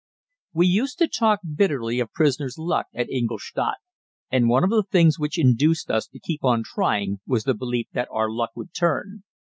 We used to talk bitterly of prisoners' luck at Ingolstadt, and one of the things which induced us to keep on trying was the belief that our luck would turn.